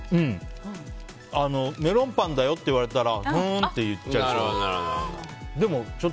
メロンパンだよって言われたらふーんって言っちゃいそう。